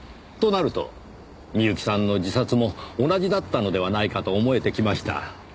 となると美由紀さんの自殺も同じだったのではないかと思えてきました。